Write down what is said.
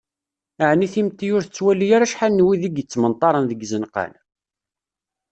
Ɛni timetti ur tettwali ara acḥal n wid i yettmenṭaren deg yizenqan,?